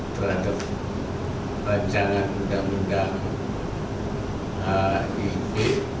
terhadap rancangan undang undang hip